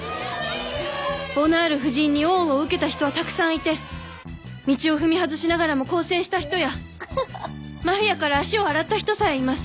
ボナール夫人に恩を受けた人はたくさんいて道を踏み外しながらも更生した人やマフィアから足を洗った人さえいます。